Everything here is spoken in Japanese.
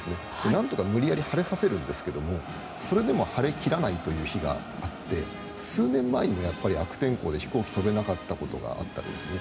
何とか無理やり晴れさせるんですがそれでも晴れ切らないという日があって数年前に悪天候で飛行機が飛べなかったことがあったんですね。